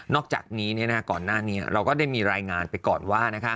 อกจากนี้ก่อนหน้านี้เราก็ได้มีรายงานไปก่อนว่า